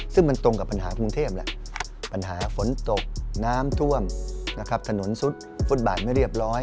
ซึ่งมันตรงกับปัญหากรุงเทพแหละปัญหาฝนตกน้ำท่วมนะครับถนนซุดฟุตบาทไม่เรียบร้อย